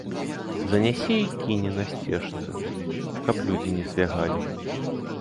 Занясе й кіне на сцежцы, каб людзі не звягалі.